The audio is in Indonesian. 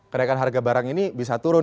kenaikan harga barang ini bisa turun